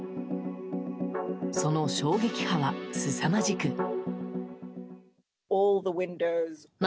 その衝撃波はすさまじく。